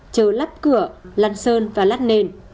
chờ lắp cửa lăn sơn và lắt nền